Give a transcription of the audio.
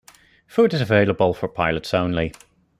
Food is available for pilots only.